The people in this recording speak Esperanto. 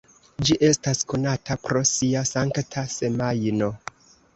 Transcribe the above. Ĝi estas konata pro sia Sankta Semajno.